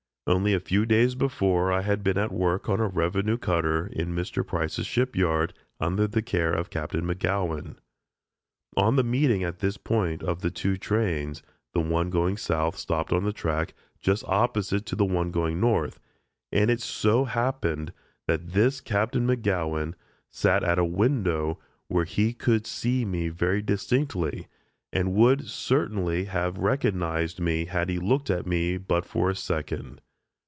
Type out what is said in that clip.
Only a few days before I had been at work on a revenue cutter, in Mr. Price's ship yard, under the care of Captain McGowan. On the meeting at this point of the two trains, the one going south stopped on the track just opposite to the one going north, and it so happened that this Captain McGowan sat at a window where he could see me very distinctly, and would certainly have recognized me had he looked at me but for a second.